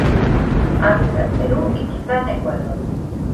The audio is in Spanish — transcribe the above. Habita en Perú y quizá en Ecuador.